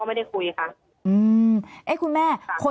ตอนที่จะไปอยู่โรงเรียนจบมไหนคะ